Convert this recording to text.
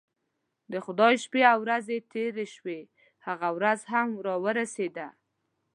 د خدای شپې او ورځې تیرې شوې هغه ورځ هم راورسېده.